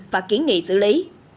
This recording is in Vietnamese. và kiến nghị xử lý